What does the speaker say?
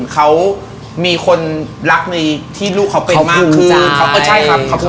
เขาภูมิใจใช่พี่แจ๊ะเขาภูมิใจ